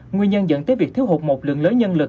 nguyên nhân dẫn tới việc thiếu hụt một lượng lớn nhân lực